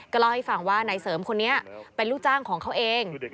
เล่าให้ฟังว่านายเสริมคนนี้เป็นลูกจ้างของเขาเอง